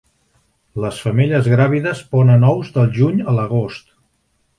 Les femelles gràvides ponen ous del juny a l'agost.